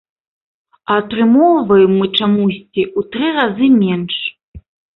А атрымоўваем мы чамусьці ў тры разы менш.